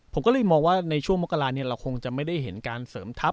ผมก็เลยมองว่าในช่วงมกราเราคงจะไม่ได้เห็นการเสริมทัพ